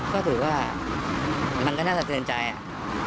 ก็ถือว่ามันก็น่าสะเทือนใจอ่ะ